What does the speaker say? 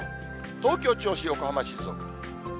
東京、銚子、横浜、静岡。